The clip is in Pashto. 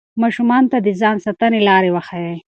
ماشومانو ته د ځان ساتنې لارې وښایئ.